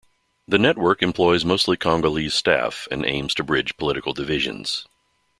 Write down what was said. The network employs mostly-Congolese staff and aims to bridge political divisions.